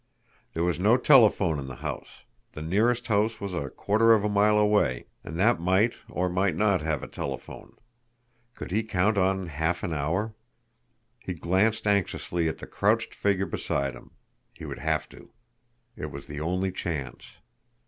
There was no telephone in the house; the nearest house was a quarter of a mile away, and that might or might not have a telephone. Could he count on half an hour? He glanced anxiously at the crouched figure beside him. He would have to! It was the only chance.